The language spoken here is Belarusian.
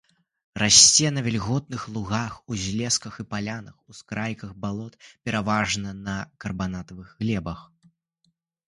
Расце на вільготных лугах, узлесках і палянах, ускрайках балот, пераважна на карбанатных глебах.